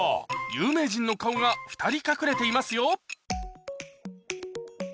有名人の顔が２人隠れていますよ